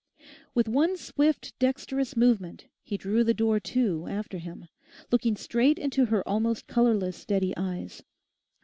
With one swift dexterous movement he drew the door to after him, looking straight into her almost colourless steady eyes.